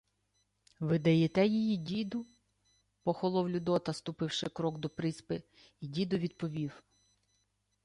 — Видаєте її, діду? — похолов Людота, ступивши крок до присьпи, й дідо відповів: